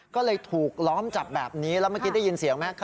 ก็เลยถูกล้อมจับแบบนี้แล้วเมื่อกี้ได้ยินเสียงไหม